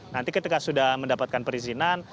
nanti ketika sudah mendapatkan perizinan